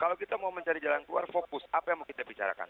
kalau kita mau mencari jalan keluar fokus apa yang mau kita bicarakan